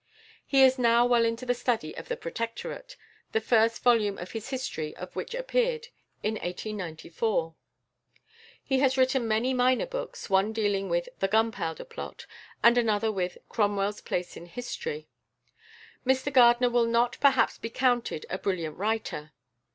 He is now well into the study of the Protectorate, the first volume of his history of which appeared in 1894. He has written many minor books, one dealing with "The Gunpowder Plot," and another with "Cromwell's Place in History." Mr Gardiner will not perhaps be counted a brilliant writer.